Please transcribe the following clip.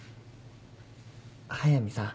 速見さん。